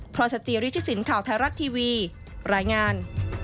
พร้อมชาติจีริทศิลป์ข่าวไทยรัฐทีวีรายงาน